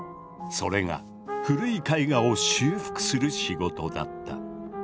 それが古い絵画を修復する仕事だった。